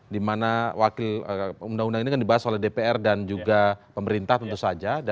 di mana wakil undang undang ini kan dibahas oleh dpr dan juga pemerintah tentu saja